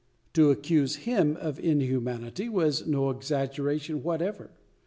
To accuse him of inhumanity was no exaggeration whatever.